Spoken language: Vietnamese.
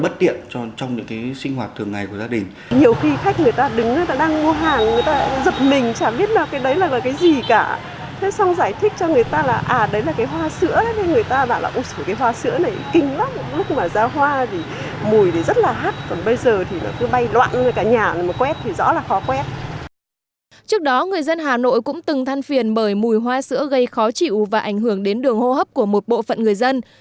trước đó người dân hà nội cũng từng than phiền bởi mùi hoa sữa gây khó chịu và ảnh hưởng đến đường hô hấp của một bộ phận người dân